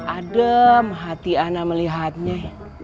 adem hati anak melihatnya